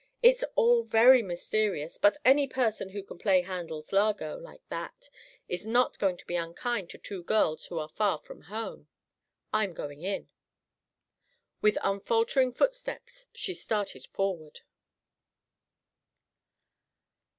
"It's all very mysterious, but any person who can play Handel's Largo like that is not going to be unkind to two girls who are far from home. I'm going in." With unfaltering footsteps she started forward.